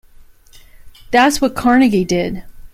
That's what Carnegie did.